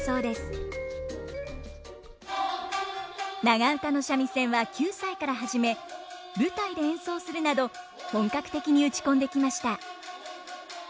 長唄の三味線は９歳から始め舞台で演奏するなど本格的に打ち込んできました。